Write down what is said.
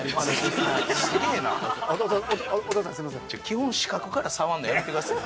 基本死角から触るのやめてください。